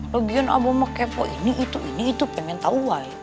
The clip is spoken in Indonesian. lagian abah mah kepo ini itu ini itu pengen tau why